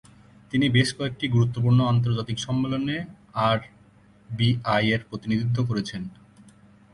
তিনি বেশ কয়েকটি গুরুত্বপূর্ণ আন্তর্জাতিক সম্মেলনে আরবিআই-এর প্রতিনিধিত্ব করেছেন।